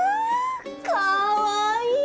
かわいい！